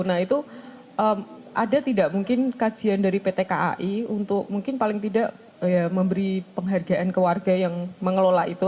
nah itu ada tidak mungkin kajian dari pt kai untuk mungkin paling tidak memberi penghargaan ke warga yang mengelola itu